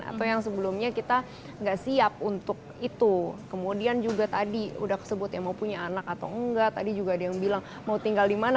atau yang sebelumnya kita nggak siap untuk itu kemudian juga tadi udah kesebutnya mau punya anak atau enggak tadi juga ada yang bilang mau tinggal di mana